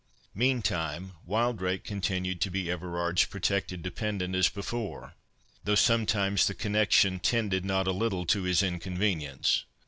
Meantime, Wildrake continued to be Everard's protected dependent as before, though sometimes the connexion tended not a little to his inconvenience.